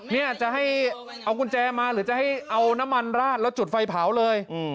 เนี่ยจะให้เอากุญแจมาหรือจะให้เอาน้ำมันราดแล้วจุดไฟเผาเลย